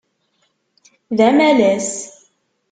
D amalas.